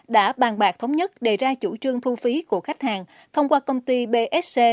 đã bàn bạc thống nhất đề ra chủ trương thu phí của khách hàng thông qua công ty bsc